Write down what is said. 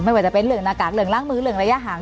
ไม่ว่าจะเป็นเหลืองหน้ากากเหลืองล่างมือเหลืองระยะหาง